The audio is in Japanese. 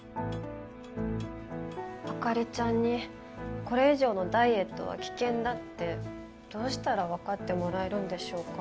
朱里ちゃんにこれ以上のダイエットは危険だってどうしたらわかってもらえるんでしょうか？